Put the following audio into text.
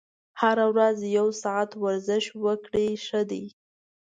هره ورځ یو ساعت ورزش وکړئ ښه ده.